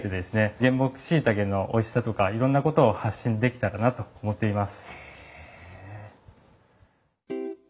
原木しいたけのおいしさとかいろんなことを発信できたらなと思っています。